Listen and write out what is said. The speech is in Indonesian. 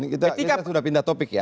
ketika sudah pindah topik ya